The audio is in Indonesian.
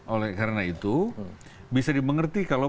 oleh karena itu bisa dimengerti kalau